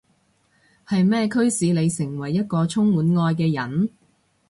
係咩驅使你成為一個充滿愛嘅人？